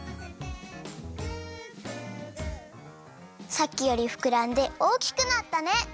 さっきよりふくらんでおおきくなったね！